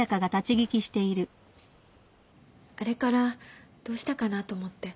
あれからどうしたかなと思って。